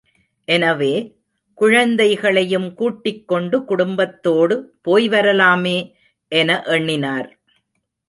எனவே, குழந்தைகளையும் கூட்டிக் கொண்டு, குடும்பத்தோடு போய் வரலாமே என எண்ணினார்.